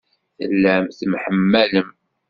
Tellam temḥemmalem.